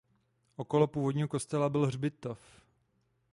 Okolo původního kostela byl hřbitov.